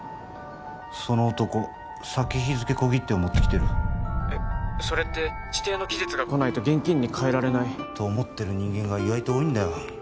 その男先日付小切手を持ってきてる☎えっそれって指定の期日が来ないと現金に換えられないと思ってる人間が意外と多いんだよ